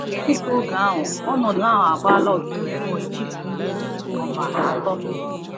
Tupu oge ahụ, ọnọdụ ahụ agbaala okirikiri n'etiti ndị Oba atọ.